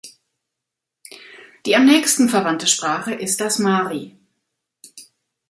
Die am nächsten verwandte Sprache ist das Mari.